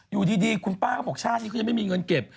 อยู่ดีคุณป้าก็บอกชาตินี้เขายังไม่มีเงินเก็บ